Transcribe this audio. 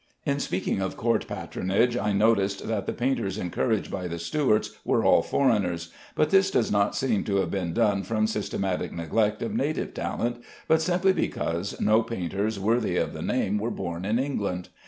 In speaking of court patronage I noticed that the painters encouraged by the Stuarts were all foreigners, but this does not seem to have been done from systematic neglect of native talent, but simply because no painters worthy of the name were born in England.